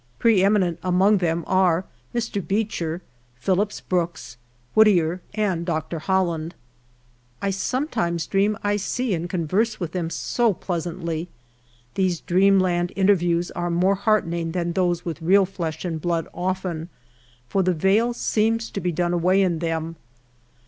Pre eminent among them are Mr. Beecher, Phillips Brooks, Whittier, and Dr. Holland. I pometimes dream 1 see and converse with them so pleasantly ; these dream land interviews are more heartening than those with real flesh and blood often, for the vail seems to be done away in them.